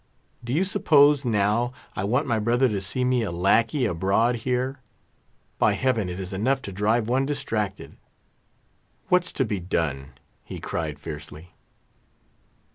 Do you suppose, now, I want my brother to see me a lackey abroad here? By Heaven it is enough to drive one distracted! What's to be done?" he cried, fiercely.